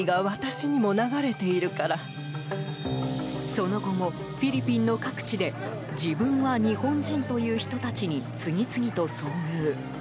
その後もフィリピンの各地で自分は日本人という人たちに次々と遭遇。